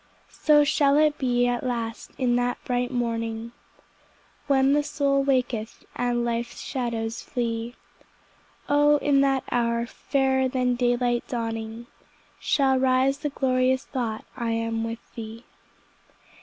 So shall it be at last in that bright morning, When the soul waketh, and life's shadows flee; O in that hour, fairer than daylight dawning, Shall rise the glorious thought I am with Thee.